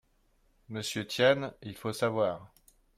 Monsieur Tian, il faut savoir